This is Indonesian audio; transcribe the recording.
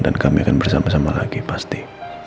dan kami akan bersama sama lagi pasti